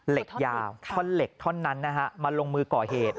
เหล็กยาวท่อนเหล็กท่อนนั้นนะฮะมาลงมือก่อเหตุ